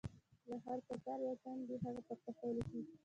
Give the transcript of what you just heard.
له هر کتار یو تن دې هغه پر تخته ولیکي.